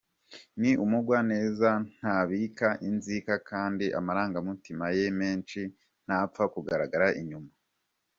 Ni umugwaneza, ntabika inzika kandi amarangamutima ye menshi ntapfa kugaragara inyuma.